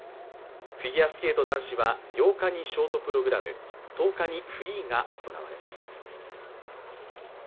フィギュアスケート男子は８日にショートプログラム、１０日にフリーが行われます。